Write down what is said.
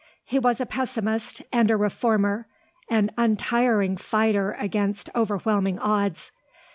He was a pessimist and a reformer, an untiring fighter against overwhelming odds.